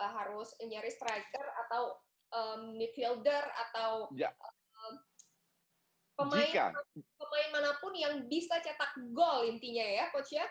harus nyari striker atau midfielder atau pemain manapun yang bisa cetak gol intinya ya coach ya